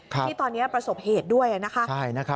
ที่ตอนนี้ประสบเหตุด้วยนะคะ